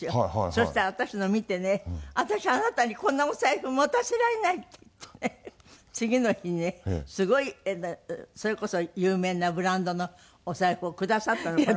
そしたら私の見てね「私あなたにこんなお財布持たせられない！」って言って次の日にねすごいそれこそ有名なブランドのお財布をくださったのこの方。